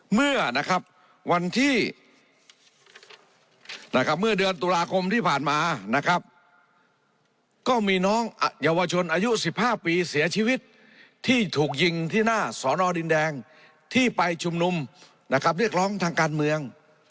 เมื่อนะครับวันที่นะครับเมื่อเดือนตุลาคมที่ผ่านมานะครับก็มีน้องเยาวชนอายุ๑๕ปีเสียชีวิตที่ถูกยิงที่หน้าสอนอดินแดงที่ไปชุมนุมนะครับเรียกร้องทางการเมือง